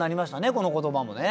この言葉もね。